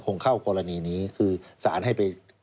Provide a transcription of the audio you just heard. คงเข้ากรณีนี้คือสารให้ไป